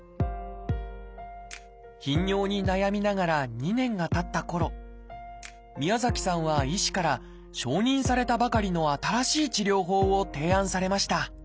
頻尿に悩みながら２年がたったころ宮崎さんは医師から承認されたばかりの新しい治療法を提案されました。